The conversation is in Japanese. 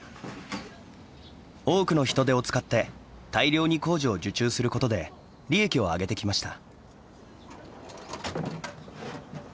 多くの人手を使って大量に工事を受注することで利益を上げてきました。